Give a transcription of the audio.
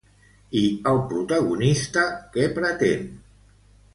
I el protagonista què pretén?